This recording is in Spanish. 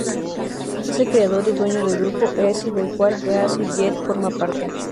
Es el creador y dueño del grupo Easy, del cual Easyjet forma parte.